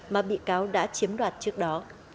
mà bị cáo đã chiếm đoạt trước đó